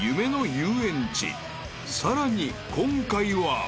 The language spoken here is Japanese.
［さらに今回は］